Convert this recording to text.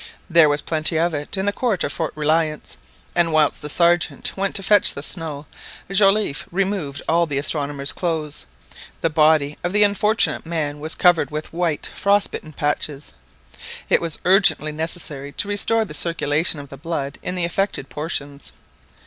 There was plenty of it in the court of Fort Reliance; and whilst the Sergeant went to fetch the snow, Joliffe removed all the astronomer's clothes. The body of the unfortunate man was covered with white frost bitten patches. It was urgently necessary to restore the circulation of the blood in the affected portions.